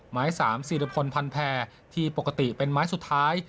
ไม้๓สีรุพนภัณฑ์แพร่ที่ปกติเป็นไม้สุดท้าย